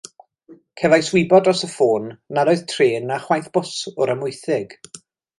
Cefais wybod dros y ffôn nad oedd trên na chwaith bws o'r Amwythig.